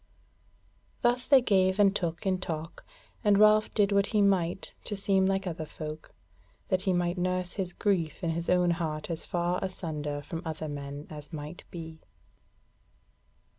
Thus they gave and took in talk, and Ralph did what he might to seem like other folk, that he might nurse his grief in his own heart as far asunder from other men as might be.